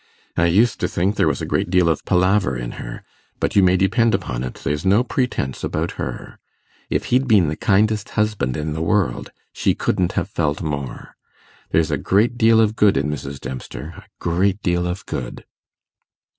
'I used to think there was a great deal of palaver in her, but you may depend upon it there's no pretence about her. If he'd been the kindest husband in the world she couldn't have felt more. There's a great deal of good in Mrs. Dempster a great deal of good.